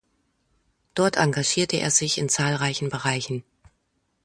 Dort engagierte er sich in zahlreichen Bereichen.